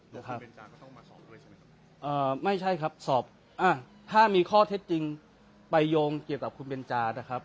นะครับเอ่อไม่ใช่ครับสอบอ่ะถ้ามีข้อเท็จจริงไปโยงเกี่ยวกับคุณเบนจานะครับ